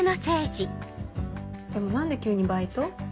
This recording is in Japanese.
でも何で急にバイト？